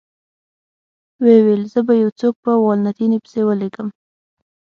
ویې ویل: زه به یو څوک په والنتیني پسې ولېږم.